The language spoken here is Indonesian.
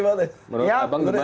menurut abang gimana